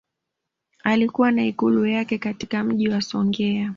Alikuwa na Ikulu yake katika Mji wa Songea